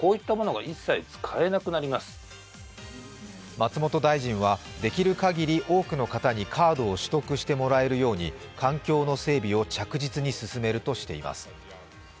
松本大臣は、できる限り多くの方にカードを取得してもらえるように環境の整備を着実に進めるとしています。